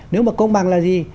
nếu mà công bằng là gì